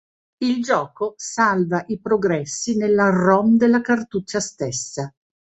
Il gioco salva i progressi nella rom della cartuccia stessa.